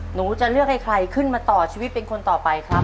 หนูจะเลือกให้ใครขึ้นมาต่อชีวิตเป็นคนต่อไปครับ